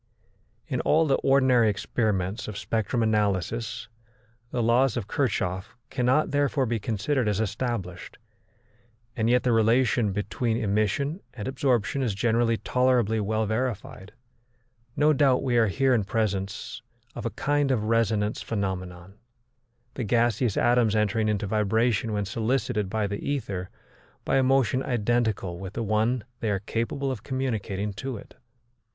In all the ordinary experiments of spectrum analysis the laws of Kirchhoff cannot therefore be considered as established, and yet the relation between emission and absorption is generally tolerably well verified. No doubt we are here in presence of a kind of resonance phenomenon, the gaseous atoms entering into vibration when solicited by the ether by a motion identical with the one they are capable of communicating to it.